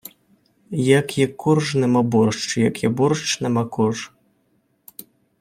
Як є корж:, нема борщ, як є борщ, нема корж.